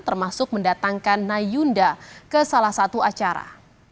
termasuk mendatangkan nayunda ke salah satu acara